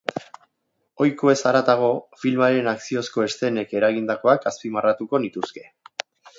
Ohikoez haratago, filmaren akziozko eszenek eragindakoak azpimarratuko nituzke.